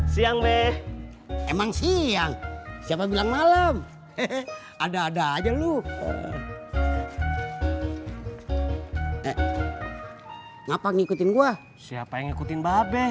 sampai jumpa di video selanjutnya